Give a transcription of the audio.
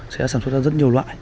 sẽ sản xuất ra rất nhiều loại